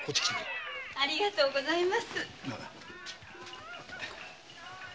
ありがとうございます。